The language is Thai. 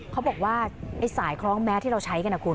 เขาบอกว่าไอ้สายคล้องแมสที่เราใช้กันนะคุณ